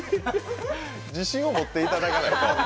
自信を持っていただかないと。